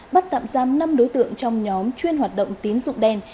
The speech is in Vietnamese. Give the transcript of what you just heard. bắt tạm giam năm đối tượng trong nhóm chuyên hoạt động tín dụng đen